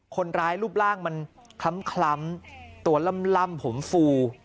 คนร้ายรูปร่างมันคล้ำตัวล่ำผมฟู